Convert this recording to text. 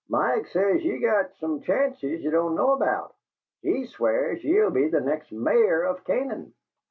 Mike says ye got some chances ye don't know about; HE swears ye'll be the next Mayor of Canaan."